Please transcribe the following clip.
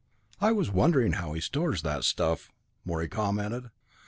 "I was wondering how he stores that stuff," Morey commented.